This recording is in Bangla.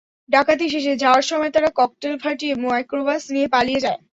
ডাকাতি শেষে যাওয়ার সময় তাঁরা ককটেল ফাটিয়ে মাইক্রোবাস নিয়ে পালিয়ে যায়।